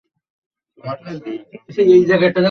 কিন্তু সেই মধ্যযুগে একথা কেউ ভাবতেই পারত না।